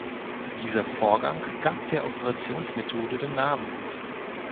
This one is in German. Dieser Vorgang gab der Operationsmethode den Namen.